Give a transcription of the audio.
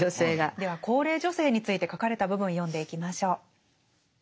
では高齢女性について書かれた部分読んでいきましょう。